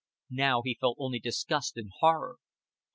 Now he felt only disgust and horror.